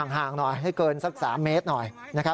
ห่างหน่อยให้เกินสัก๓เมตรหน่อย